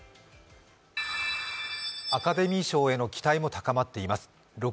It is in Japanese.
アカデミー賞への期待も高まっています。